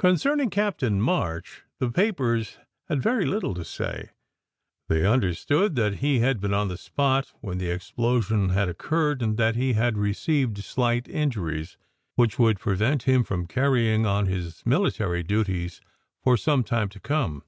Concerning Captain March, the papers had very little to say. They understood that he had been on the spot when the explosion had occurred, and that he had received slight injuries which would prevent him from carrying on his military duties for some time to come.